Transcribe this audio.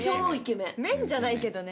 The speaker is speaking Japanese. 「メン」じゃないけどね。